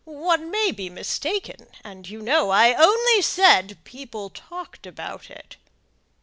One may be mistaken, and you know I only said 'people talked about it.'"